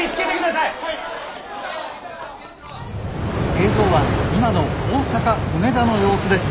「映像は今の大阪・梅田の様子です。